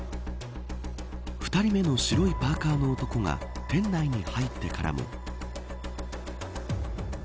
２人目の白いパーカの男が店内に入ってからも。